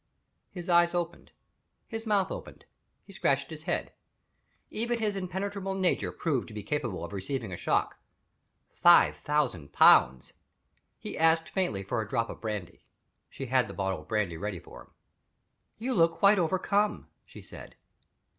His eyes opened; his mouth opened; he scratched his head. Even his impenetrable nature proved to be capable of receiving a shock. Five thousand pounds! He asked faintly for "a drop of brandy." She had a bottle of brandy ready for him. "You look quite overcome," she said.